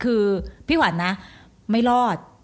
คือพี่ขวัญนะไม่รอด